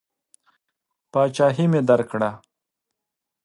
پاچهي مې درکړه.